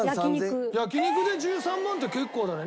焼き肉で１３万って結構だね。